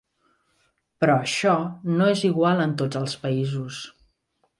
Però això no és igual en tots els països.